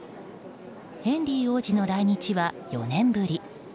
ヘンリー王子の来日は４年ぶり。